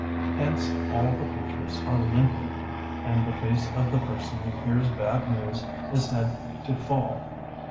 Hence all the features are lengthened; and the face of a person who hears bad news is said to fall.